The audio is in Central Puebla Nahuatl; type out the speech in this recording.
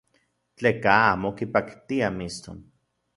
Tleka amo kipaktia mixton.